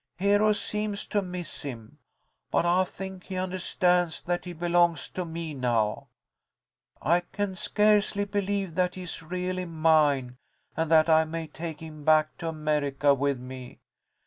Hero seems to miss him, but I think he understands that he belongs to me now. I can scarcely believe that he is really mine, and that I may take him back to America with me.